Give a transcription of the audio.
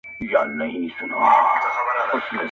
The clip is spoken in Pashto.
اوازې په کلي کي ډېر ژر خپرېږي,